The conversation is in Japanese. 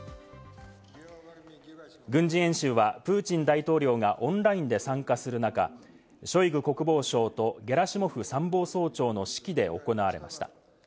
軍事演習はプーチン大統領がオンラインで参加する中、ショイグ国防相とゲラシモフ参謀総長の指揮で行われました。